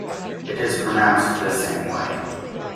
It is pronounced the same way.